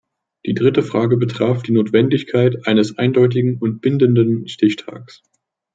Die dritte Frage betraf die Notwendigkeit eines eindeutigen und bindenden Stichtags.